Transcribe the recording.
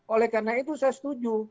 oleh karena itu saya setuju